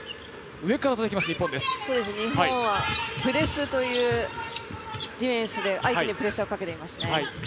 日本はプレースというディフェンスで相手にプレッシャーをかけていますね。